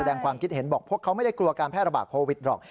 แสดงความคิดเห็นบอกพวกเขาไม่ได้กลัวการแพร่ระบาดโควิดหรอก